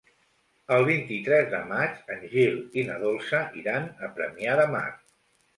El vint-i-tres de maig en Gil i na Dolça iran a Premià de Mar.